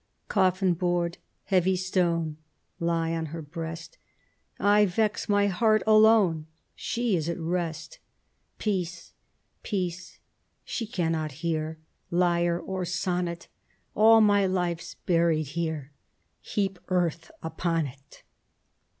Coffin board, heavy stone, Lie on her breast, I vex my heart alone, She is at rest. Peace, Peace, she cannot hear Lyre or sonnet, All my life's buried here, Heap earth upon it.